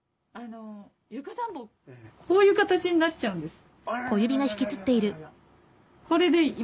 こういう形になっちゃうんです。